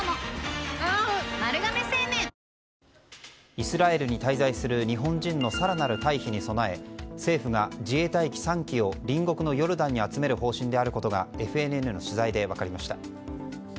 イスラエルに滞在する日本人の更なる退避に備え政府が自衛隊機３機を隣国のヨルダンに集める方針であることがＦＮＮの取材で分かりました。